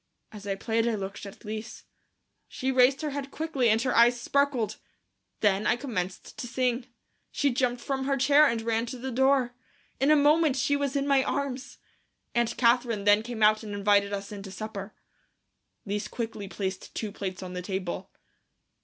As I played, I looked at Lise. She raised her head quickly and her eyes sparkled. Then I commenced to sing. She jumped from her chair and ran to the door. In a moment she was in my arms. Aunt Catherine then came out and invited us in to supper. Lise quickly placed two plates on the table.